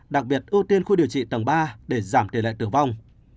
đặc biệt ưu tiên khu điều trị tầng ba để giảm tỷ lệ tử vong